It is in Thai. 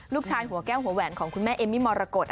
หัวแก้วหัวแหวนของคุณแม่เอมมี่มรกฏ